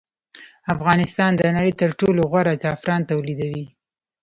افغانستان د نړۍ تر ټولو غوره زعفران تولیدوي